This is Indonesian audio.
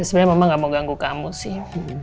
sebenernya mama gak mau ganggu kamu sih